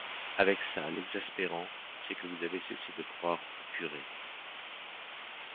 Avec ça, l’exaspérant, c’est que vous avez cessé de croire aux curés.